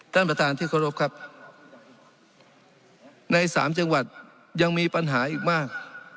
ท่านประธานที่เคารพครับในสามจังหวัดยังมีปัญหาอีกมาก